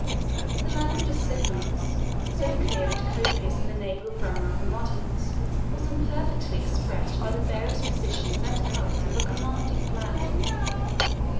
The language of signals, so clear and copious in the naval grammar of the moderns, was imperfectly expressed by the various positions and colors of a commanding flag.